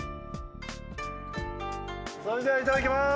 それではいただきます。